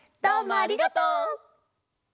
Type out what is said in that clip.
どうもありがとう！